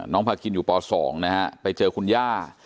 พาคินอยู่ป๒นะฮะไปเจอคุณย่า